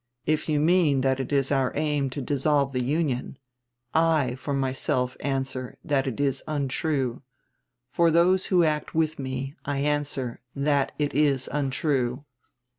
If you mean that it is our aim to dissolve the Union, I for myself answer that it is untrue; for those who act with me I answer that it is untrue.